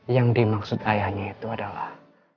yang dimaksud ayahnya itu adalah